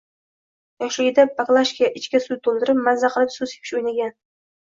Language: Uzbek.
Yoshligida baklashka ichiga suv to'ldirib, mazza qilib suv sepish o'ynagan